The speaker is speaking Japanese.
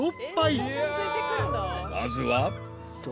［まずは］